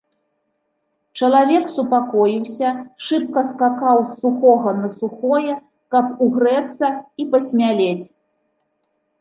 Чалавек супакоіўся, шыбка скакаў з сухога на сухое, каб угрэцца і пасмялець.